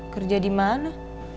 kerja di mana